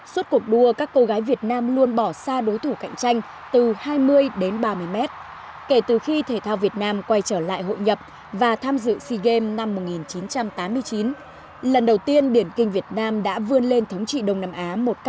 suốt cuộc đua các cô gái việt nam luôn bỏ xa đối thủ khác